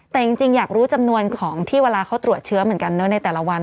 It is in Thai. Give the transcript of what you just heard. แต่จริงอยากรู้จำนวนของที่เวลาเขาตรวจเชื้อเหมือนกันในแต่ละวัน